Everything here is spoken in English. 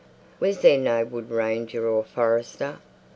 Was there no wood ranger or forester?